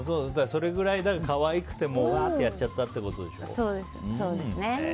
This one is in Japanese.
それぐらい可愛くてわーってやっちゃったってことですね。